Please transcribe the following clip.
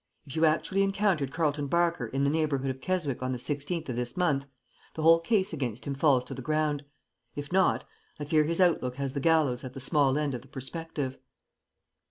If you actually encountered Carleton Barker in the neighborhood of Keswick on the 16th of this month, the whole case against him falls to the ground. If not, I fear his outlook has the gallows at the small end of the perspective."